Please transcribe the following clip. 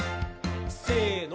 せの。